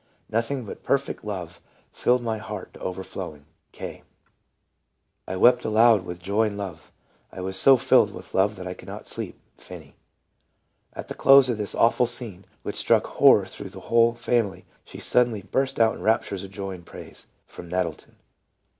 ..." Noth ing but perfect love filled my heart to overflowing." — K. "I wept aloud with joy and love. ... I was so filled with love that I could not sleep." — Finney. "At the close of this awful scene which struck horror through the whole fam ily, she suddenly burst out in raptures of joy and praise." — Prom Nettleton.